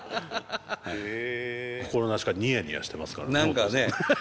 心なしかニヤニヤしてますからねお父さん。